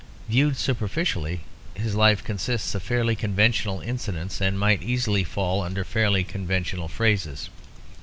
Viewed superficially, his life consists of fairly conventional incidents, and might easily fall under fairly conventional phrases.